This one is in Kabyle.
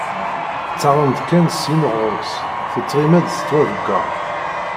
Ttaɣen-d kan, syin ɣer-s, tettɣima-d tettwaḍeggar.